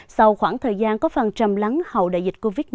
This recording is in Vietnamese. sau khoảng thời gian có phần trầm lắng hậu đại dịch covid một mươi